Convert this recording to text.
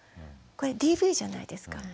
これＤＶじゃないですか。